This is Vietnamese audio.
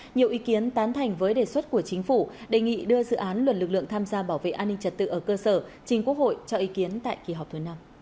nhiều ý kiến tán thành với đề xuất của chính phủ đề nghị đưa dự án luật lực lượng tham gia bảo vệ an ninh trật tự ở cơ sở trình quốc hội cho ý kiến tại kỳ họp thứ năm